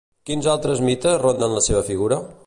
Quins altres mites ronden la seva figura?